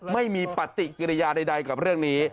ไม่มีปฏิกิริยาใดกับเรื่องนี้